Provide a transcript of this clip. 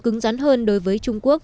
cứng rắn hơn đối với trung quốc